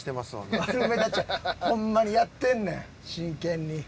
ほんまにやってんねん真剣に。